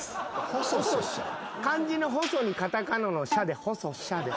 漢字の「細」にカタカナの「シャ」で。